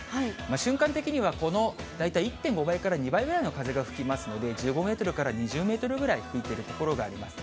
瞬間的にはこの大体１．５倍から２倍ぐらいの風が吹きますので、１５メートルから２０メートルぐらい吹いている所があります。